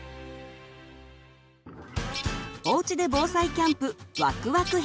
「おうちで防災キャンプわくわく編」